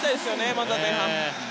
まずは前半。